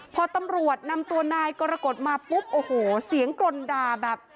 พอตำรวจนำตัวนายกรกฎมาปุ๊บโอ้โหเสียงกรนด่าแบบ